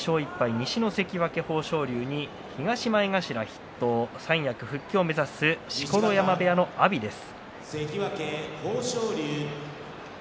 西の関脇豊昇龍に東前頭筆頭、三役復帰を目指す錣山部屋の阿炎です。